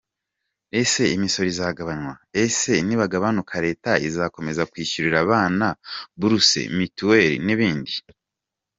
Ese imisoro izagabanywa, ese nigabanuka leta izakomeza kwishyurira abana buruse, mituweli n’ibindi ?